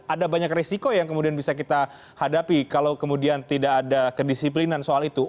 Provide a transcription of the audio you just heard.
ada banyak risiko yang kemudian bisa kita hadapi kalau kemudian tidak ada kedisiplinan soal itu